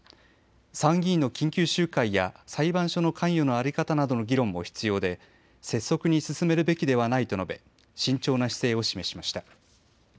参議院の緊急集会や裁判所の関与の在り方などの議論も必要で拙速に進めるべきではないと述べ慎重な姿勢を示しました。